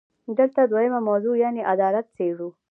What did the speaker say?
دلته دویمه موضوع یعنې عدالت څېړو.